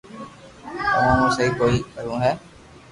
تمو مون سھي ڪوئي ڪرو ھون